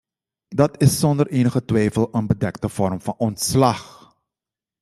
Dat is zonder enige twijfel een bedekte vorm van ontslag.